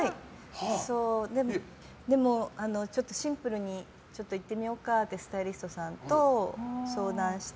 でも、ちょっとシンプルにいってみようかってスタイリストさんと相談して。